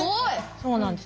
そうなんです。